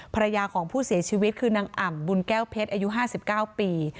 ภรรยาของผู้เสียชีวิตคือนางอ่ำบุญแก้วเพชรอายุ๕๙ปี